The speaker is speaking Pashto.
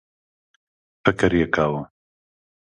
فکر یې کاوه.